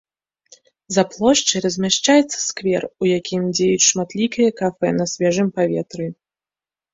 За плошчай размяшчаецца сквер, у якім дзеюць шматлікія кафэ на свежым паветры.